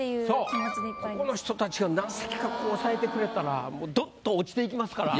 そうここの人たちが何席かここ押さえてくれたらもうどっと落ちていきますから。